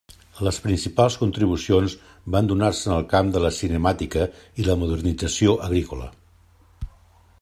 Les principals contribucions van donar-se en el camp de la cinemàtica i la modernització agrícola.